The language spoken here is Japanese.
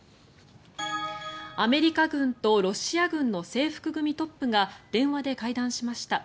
アメリカ軍とロシア軍の制服組トップが電話で会談しました。